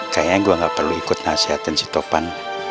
kayaknya gue gak perlu ikut nasihatin si topan